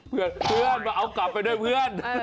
เพื่อนมาเอากลับไปด้วยเพื่อน